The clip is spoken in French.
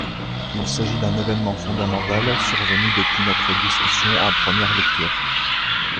Il s’agit d’un événement fondamental survenu depuis notre discussion en première lecture.